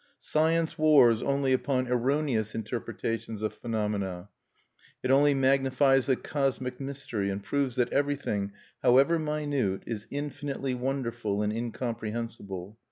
Science wars only upon erroneous interpretations of phenomena; it only magnifies the cosmic mystery, and proves that everything, however minute, is infinitely wonderful and incomprehensible.